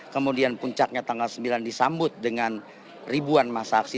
kemudian puncaknya tanggal sembilan disambut dengan ribuan masa aksi